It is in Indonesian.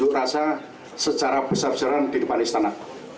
rasa secara besar besaran di depan istana